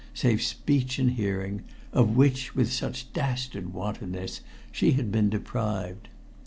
save speech and hearing, of which, with such dastard wantonness, she had been deprived.